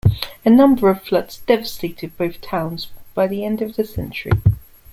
A number of floods devastated both towns by the end of the century.